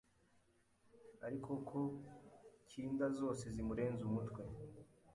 Ariko ko kinda zose zimurenze umutwe